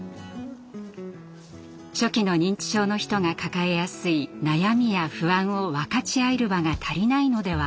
初期の認知症の人が抱えやすい悩みや不安を分かち合える場が足りないのでは？